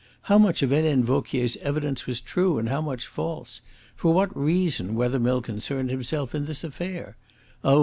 How much of Helene Vauquier's evidence was true and how much false? For what reason Wethermill concerned himself in this affair? Oh!